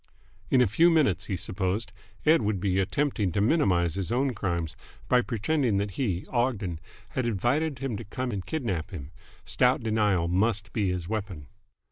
In a few minutes, he supposed, Ed. would be attempting to minimise his own crimes, by pretending that he, Ogden, had invited him to come and kidnap him. Stout denial must be his weapon.